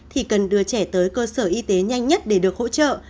thì cần đưa trẻ tới cơ sở y tế nhanh nhất để được hỗ trợ